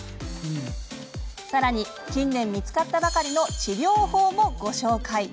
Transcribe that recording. さらに近年見つかったばかりの治療法もご紹介。